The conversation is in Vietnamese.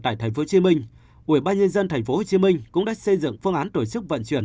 tại tp hcm ubnd tp hcm cũng đã xây dựng phương án tổ chức vận chuyển